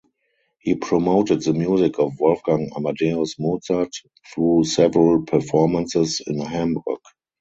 He promoted the music of Wolfgang Amadeus Mozart through several performances in Hamburg.